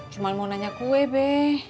cuma mau nanya kue be